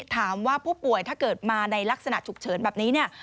ถามว่าผู้ป่วยถ้าเกิดมาในลักษณะฉุกเฉินแบบนี้เนี่ย